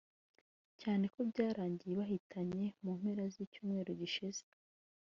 cyane ko byarangiye ibahitanye mu mpera z’icyumweru gishize